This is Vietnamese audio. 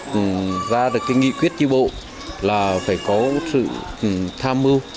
thì ra được cái nghị quyết tri bộ là phải có sự tham mưu